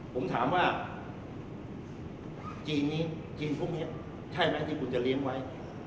ผมถามว่าจีนนี้จีนพวกนี้ใช่ไหมที่คุณจะเลี้ยงไว้